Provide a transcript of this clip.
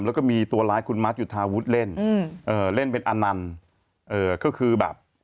แล้วก็มีตัวร้ายคุณมัธยุทธาวุฒิเล่นเล่นเป็นอนันต์